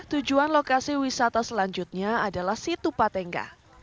dan selanjutnya adalah situpa tenggang